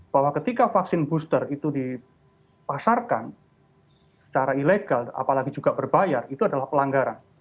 bahwa ketika vaksin booster itu dipasarkan secara ilegal apalagi juga berbayar itu adalah pelanggaran